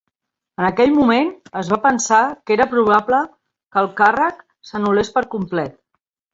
En aquell moment, es va pensar que era probable que el càrrec s'anul·lés per complet.